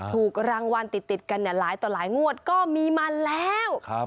ถูกรางวัลติดกันหลายต่อหลายงวดก็มีมาแล้ว